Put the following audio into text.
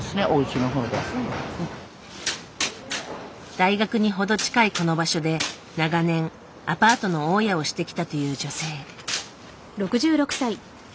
大学に程近いこの場所で長年アパートの大家をしてきたという女性。